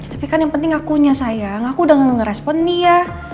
tapi kan yang penting akunya sayang aku udah ngerespon dia